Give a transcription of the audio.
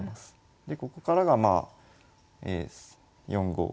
でここからがまあ４五歩と。